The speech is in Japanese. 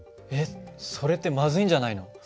えっそれってまずいんじゃないの？